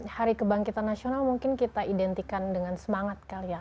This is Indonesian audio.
hari kebangkitan nasional mungkin kita identikan dengan semangat kali ya